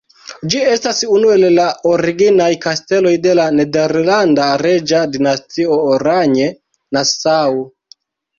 Ĝi estas unu el la originaj kasteloj de la nederlanda reĝa dinastio Oranje-Nassau.